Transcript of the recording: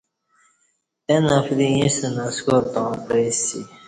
اہ نفری اݩیستہ نسکار تاووں پعیسی